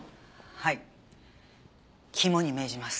はい肝に銘じます。